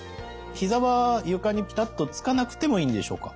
ひざは床にピタッとつかなくてもいいんでしょうか？